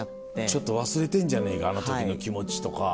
ちょっと忘れてんじゃねえかあの時の気持ちとか。